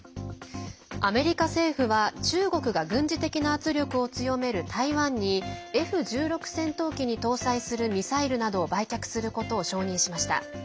アメリカ政府は、中国が軍事的な圧力を強める台湾にＦ１６戦闘機に搭載するミサイルなどを売却することを承認しました。